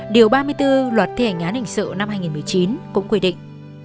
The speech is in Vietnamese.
điều ba mươi bốn luật thi hành án hình sự năm hai nghìn một mươi chín cũng quy định